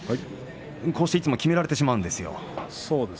いつもきめられてしまうんですよ。